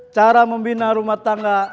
cara membina rumah tangga